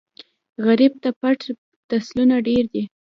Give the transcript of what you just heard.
غریب ته پټ تسلونه ډېر دي